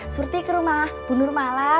surti ke rumah bunuh rumah lah